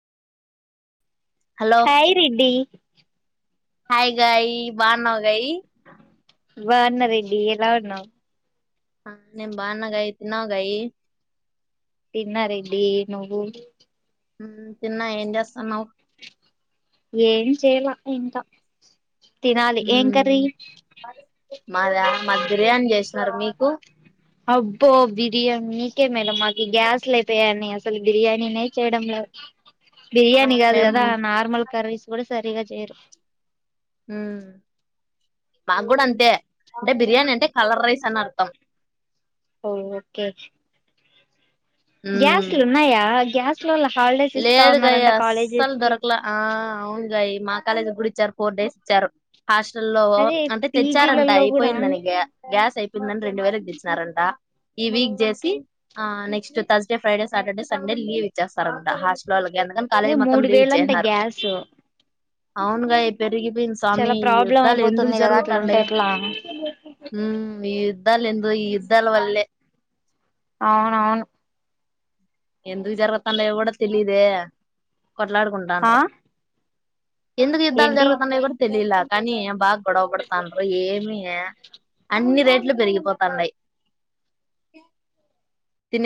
hello hi Reddy hi గయ్ బావున్నవా గయ్ బావున్న రెడ్డి ఎలా ఉన్నావ్ హ నేను బావున్న గయి తిన్నవా గయి తిన్న రెడ్డి నువ్వు తిన్నా ఏం చేస్తున్నావ్ ఎం చేయలె ఇంకా తినాలి ఏం కర్రీ మ్మ్ మాద మాది బిర్యాని చేసినరు మీకు అబ్బో బిర్యానీ మీకే మేడం మాకు గ్యాస్లైపోయాయన్ని అసలు బిర్యానీనే చేయడం లేదు ఆ బిర్యానీ కాదు మేము కదా నార్మల్ కర్రీస్ కూడా సరిగా చేయరు ఉమ్ మాకు కూడ అంతే అంటే బిర్యానీ అంటే కలర్ రైస్ అని అర్థం ఓ ఓకే ఉమ్, గ్యాస్లు ఉన్నాయా గ్యాస్ లో హాలిడేస్ ఇస్తా లేదు గయా ఉన్నారంట అస్సలు కాలేజెస్ కి దొరకలె ఆ అవును గయ్ మా కాలేజ్ కూడ ఇచ్చారు ఫోర్ డేస్ ఇచ్చారు హాస్టల్లో అదే అంటే తెచ్చారంట పీజీలలో కూడా అయిపోయిందని గ్యా గ్యాస్ అయిపో యిందని రెండు వేలు ఇప్పిచ్చినారంట ఈ వీక్ చేసి ఆ next Thursday Friday Saturday Sunday leave ఇచ్చేస్తరంట హాస్టల్ వాళ్ళకు అందుకని అదే కాలేజ్ మొత్తం మూడు లీవ్ వేలంట ఇచ్చేసినారు గ్యాస్ అవున్ గాయ్ పెరిగి వీన్ స్వామి చాలా ఈ ప్రాబ్లం యుద్ధాలు ఎందుకు అయిపోతుంది కదా అట్లుంటే జరుగుతాండయో ఎట్లా ఉమ్ ఈ యుద్దాలు ఏందో ఈ యుద్దాల వల్లేె అవునవును ఎందుకు జరుగుతాన్నయో కూడా తెలిదే ఆ కొట్లాడుకుంటాన్రు ఎందుకు యుద్ధాలు ఏంటి జరుగుతున్నాయో కూడా తెలిల కానీ బా గొడవపడతాన్రు ఏమియే అన్ని రేట్లు పెరిగిపపొ తన్నాయి